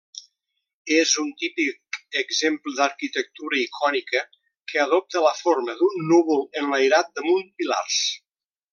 És un típic exemple d’arquitectura icònica que adopta la forma d’un núvol enlairat damunt pilars.